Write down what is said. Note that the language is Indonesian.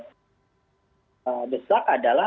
yang pertama data yang kami dan masyarakat tipil besak adalah